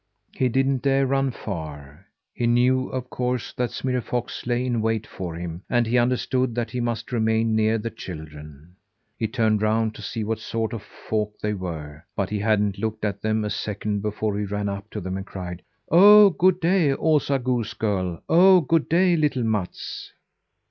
He didn't dare run far. He knew, of course, that Smirre Fox lay in wait for him, and he understood that he must remain near the children. He turned round to see what sort of folk they were, but he hadn't looked at them a second before he ran up to them and cried: "Oh, good day, Osa goose girl! Oh, good day, little Mats!"